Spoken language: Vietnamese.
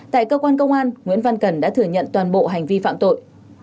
tại cơ quan công an nguyễn văn cần đã thừa nhận toàn bộ hành vi phạm tội